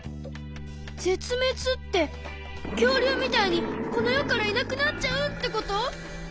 絶滅ってきょうりゅうみたいにこの世からいなくなっちゃうってこと？